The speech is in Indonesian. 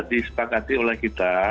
disepakati oleh kita